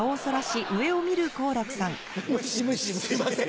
無視すいません。